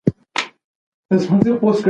د اټک اړوند سیمي د مهاراجا شوې.